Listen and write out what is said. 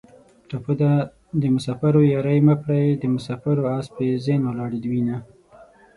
ټپه ده: د مسافرو یارۍ مه کړئ د مسافرو اسپې زین ولاړې وینه